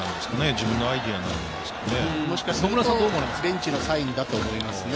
自分のアイデアなんですかね？